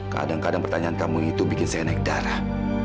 kadang kadang pertanyaan kamu itu bikin saya naik darah